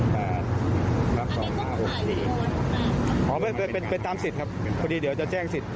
ครับส่วนมา๖๔๔อ๋อเป็นตามสิทธิ์ครับพอดีเดี๋ยวจะแจ้งสิทธิ์